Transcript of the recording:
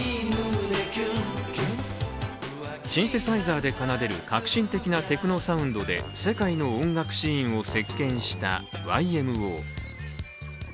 シンセサイザーで奏でる革新的なテクノサウンドで世界の音楽シーンを席巻したＹＭＯ。